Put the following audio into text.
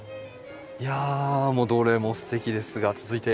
いやもうどれもすてきですが続いては。